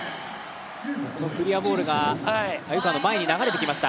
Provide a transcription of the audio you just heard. クリアボールが鮎川の前に流れてきました。